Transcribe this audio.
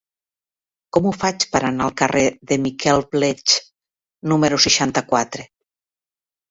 Com ho faig per anar al carrer de Miquel Bleach número seixanta-quatre?